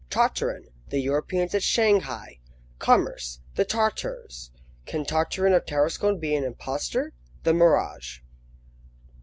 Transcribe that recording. Tartarin The Europeans at Shanghai Commerce The Tartars Can Tartarin of Tarascon be an Impostor? The Mirage.